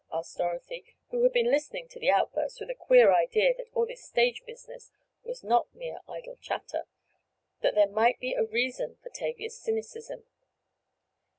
asked Dorothy, who had been listening to the outburst with a queer idea that all this stage business was not mere idle chatter—that there might be a reason for Tavia's cynicism.